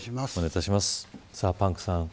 パンクさん。